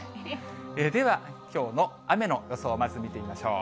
では、きょうの雨の予想をまず見てみましょう。